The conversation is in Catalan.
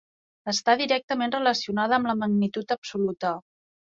Està directament relacionada amb la magnitud absoluta.